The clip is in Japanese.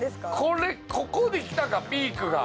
これここできたかピークが。